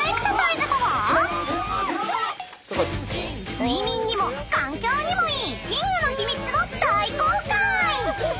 ［睡眠にも環境にもいい寝具の秘密も大公開！］